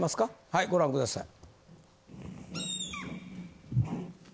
はいご覧ください。